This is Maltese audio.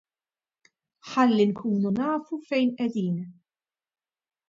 Ħalli nkunu nafu fejn qegħdin.